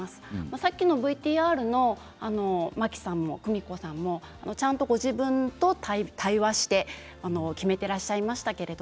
さっきのＶＴＲのマキさんもクミコさんもちゃんとご自分と対話して決めていらっしゃいました。